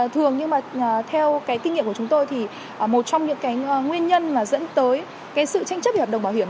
thường nhưng mà theo cái kinh nghiệm của chúng tôi thì một trong những cái nguyên nhân mà dẫn tới cái sự tranh chấp về hợp đồng bảo hiểm